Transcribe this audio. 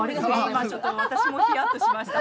今ちょっと私もヒヤっとしました。